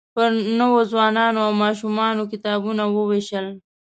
پر نوو ځوانانو او ماشومانو کتابونه ووېشل.